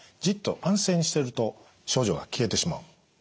じっと安静にしてると症状が消えてしまう。